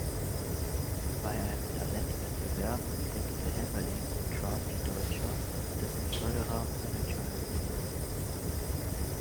Bei einem Talentwettbewerb entdeckte Hämmerling Drafi Deutscher, dessen Förderer und Manager er wurde.